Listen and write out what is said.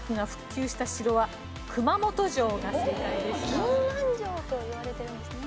銀杏城といわれてるんですね。